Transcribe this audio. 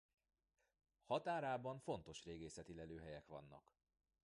Határában fontos régészeti lelőhelyek vannak.